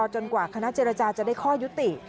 กว่าคณะเจรจาจะได้ข้อยุติ